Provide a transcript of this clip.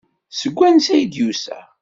Seg wansi ay d-yusa?